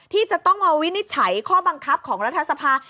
ที่จะต้องมาวินิจฉัยข้อบังคับของรัฐสภา